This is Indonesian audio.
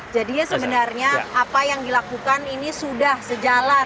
jadinya sebenarnya apa yang dilakukan ini sudah sejalan